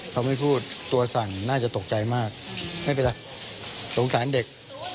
เขาไม่พูดตัวสั่นน่าจะตกใจมากไม่เป็นไรสงสารเด็ก